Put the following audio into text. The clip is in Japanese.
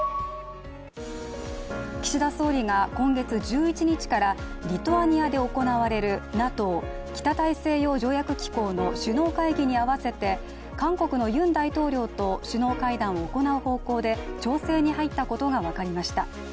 岸田総理が今月１１日からリトアニアで行われるＮＡＴＯ＝北大西洋条約機構の首脳会議に合わせて韓国のユン大統領と首脳会談を行う方向で調整に入ったことが分かりました。